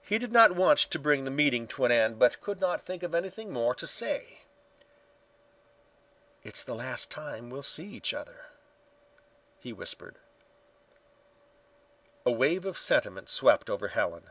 He did not want to bring the meeting to an end but could not think of anything more to say. "It's the last time we'll see each other," he whispered. A wave of sentiment swept over Helen.